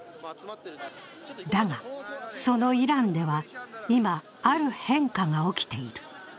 だが、そのイランでは今ある変化が起きている。